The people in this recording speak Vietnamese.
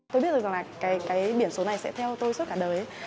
tôi biết được rằng là cái biển số này sẽ theo tôi suốt cả đời